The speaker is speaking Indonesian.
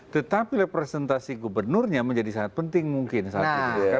tetapi representasi gubernurnya menjadi sangat penting mungkin saat itu